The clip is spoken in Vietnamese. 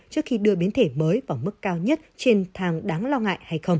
trước khi đưa biến thể mới vào mức cao nhất trên thang đáng lo ngại hay không